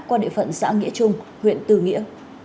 qua địa phận xã nghĩa trung huyện tư nghĩa